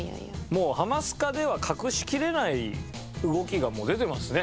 もう『ハマスカ』では隠しきれない動きがもう出てますね。